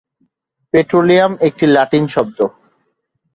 Petroleum একটি Latin শব্দ।